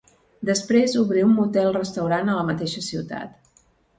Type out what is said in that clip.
Després obrí un motel restaurant a la mateixa ciutat.